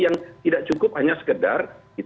yang tidak cukup hanya sekedar